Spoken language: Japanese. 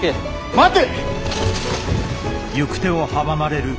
待て！